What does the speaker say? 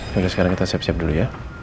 sampai sekarang kita siap siap dulu ya